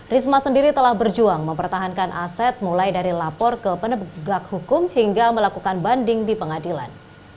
risma sendiri telah berjuang mempertahankan aset mulai dari lapor ke penegak hukum hingga melakukan banding di pengadilan